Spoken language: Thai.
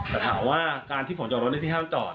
แต่ถามว่าการที่ผมจอดรถพี่ห้ามจอด